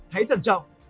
hãy tận trọng